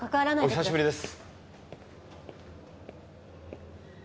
お久しぶりです。